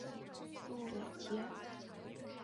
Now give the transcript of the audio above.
朱伟捷。